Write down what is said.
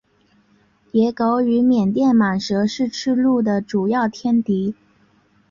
野狗与缅甸蟒蛇是赤麂的主要天敌。